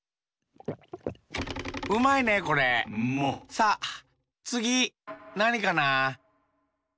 さあつぎなにかな？